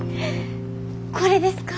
これですか？